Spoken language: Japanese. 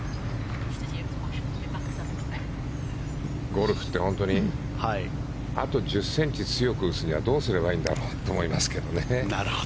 ゴルフって本当にあと１０ｃｍ強く打つにはどうすればいいんだろうって思いますけどね。